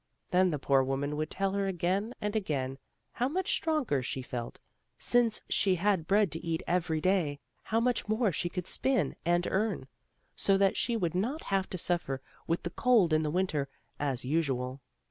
Then the poor woman would tell her again and again how much stronger she felt, since she had bread to eat every day; how much more she could spin and earn, so that she would not have to suffer with the cold in the Winter, as usual.